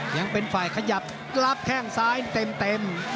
ยังเป็นฝ่ายขยับรับแข้งซ้ายเต็ม